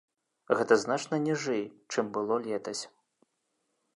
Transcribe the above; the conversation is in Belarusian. Гэта значна ніжэй, чым было летась.